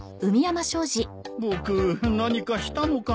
僕何かしたのかな？